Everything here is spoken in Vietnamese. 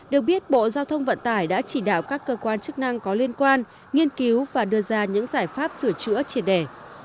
được biết bộ giao thông vận tải đã chỉ đạo các cơ quan chức năng có liên quan nghiên cứu và đưa ra những giải pháp sửa chữa triệt đề